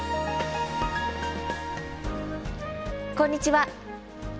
こんにちは。